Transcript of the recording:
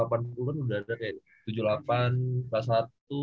satu ratus delapan puluh an udah ada kayaknya